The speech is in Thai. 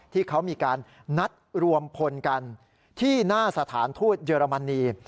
ที่เขามีการนัดรวมพลกันที่หน้าสถานทูตเยอรมนี